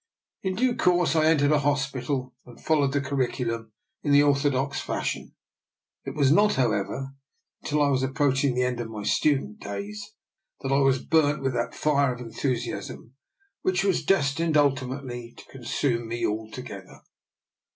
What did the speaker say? In due course I entered a hospital, and fol lowed the curriculum in the orthodox fash ion. It was not, however, until I was ap proaching the end of my student days that I was burnt with that fire of enthusiasm which was destined, ultimately, to consume me al together.